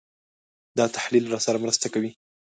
دا تحلیل راسره مرسته کوي.